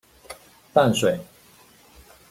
淡水